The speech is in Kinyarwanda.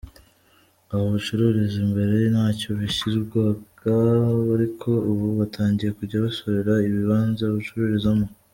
Aho bacururizaga mbere ntacyo bishyuzwaga ariko ubu batangiye kujya basorera ibibanza bacururizamo.